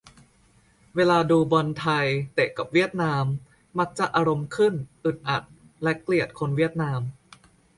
เวลาดู บอลไทย เตะกับเวียดนาม มักจะอารมณ์ขึ้น อีดอัด และเกลียดคนเวียดนาม